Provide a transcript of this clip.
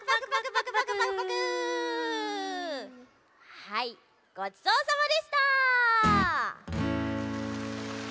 はいごちそうさまでした。